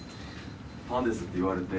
「ファンです」って言われて。